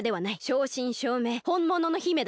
しょうしんしょうめいほんものの姫だ。